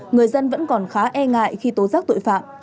người dân vẫn còn khá e ngại khi tố giác tội phạm